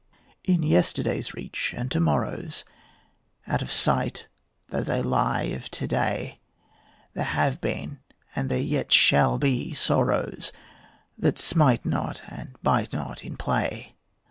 In yesterday's reach and to morrow's, Out of sight though they lie of to day, There have been and there yet shall be sorrows That smite not and bite not in play.